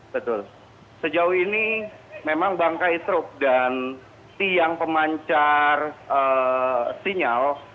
betul sejauh ini memang bangkai truk dan tiang pemancar sinyal